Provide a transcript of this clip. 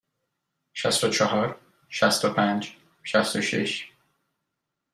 شصت و چهار، شصت و پنج، شصت و شش.